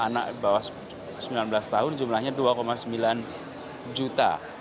anak bawah sembilan belas tahun jumlahnya dua sembilan juta